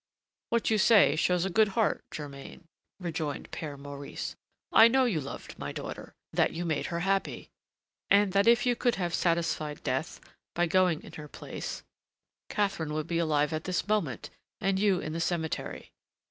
"What you say shows a good heart, Germain," rejoined Père Maurice; "I know you loved my daughter, that you made her happy, and that if you could have satisfied Death by going in her place, Catherine would be alive at this moment and you in the cemetery.